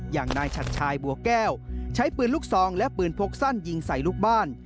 อย่างนายชัดชายบัวแก้วใช้ปืนลูกซองและปืนพกสั้นยิงใส่ลูกบ้าน